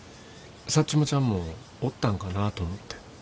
サッチモちゃんもおったんかなと思って。